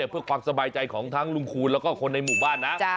เพื่อความสบายใจของทั้งลุงคูณแล้วก็คนในหมู่บ้านนะ